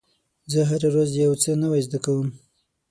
زه هره ورځ یو څه نوی زده کوم.